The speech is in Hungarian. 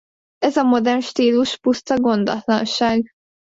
Ez a modern stílus puszta gondatlanság.